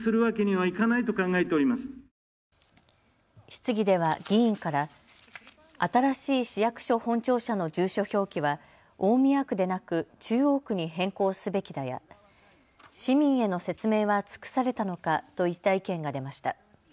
質疑では議員から新しい市役所本庁舎の住所表記は大宮区でなく中央区に変更すべきだや市民への説明は尽くされたのかといった意見が出ました。